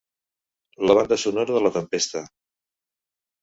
La banda sonora de la tempesta.